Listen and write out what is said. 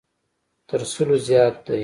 تر سلو زیات دی.